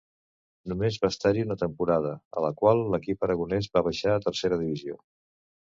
Només va estar-hi una temporada, a la qual l'equip aragonès va baixar a Tercera divisió.